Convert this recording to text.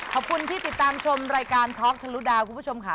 ขอบคุณที่ติดตามชมรายการท็อกทะลุดาวคุณผู้ชมค่ะ